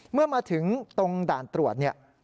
เมื่อมาถึงตรงด่านตรวจ